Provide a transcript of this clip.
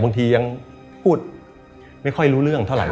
บางทียังพูดไม่ค่อยรู้เรื่องเท่าไห